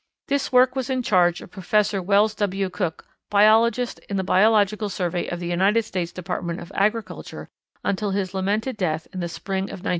This work was in charge of Professor Wells W. Cooke, Biologist, in the Biological Survey of the United States Department of Agriculture until his lamented death in the spring of 1916.